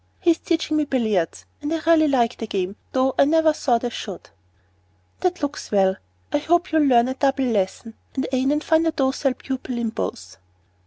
He is teaching me billiards, and I really like the game, though I never thought I should." "That looks well. I hope you'll learn a double lesson, and Annon find a docile pupil in both."